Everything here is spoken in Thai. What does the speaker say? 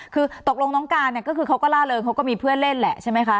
คือตกลงน้องการเนี่ยก็คือเขาก็ล่าเริงเขาก็มีเพื่อนเล่นแหละใช่ไหมคะ